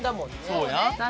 そうや。